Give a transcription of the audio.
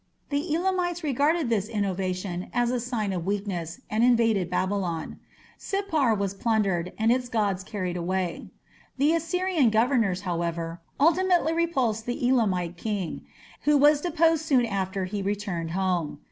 The Elamites regarded this innovation as a sign of weakness, and invaded Babylon. Sippar was plundered, and its gods carried away. The Assyrian governors, however, ultimately repulsed the Elamite king, who was deposed soon after he returned home.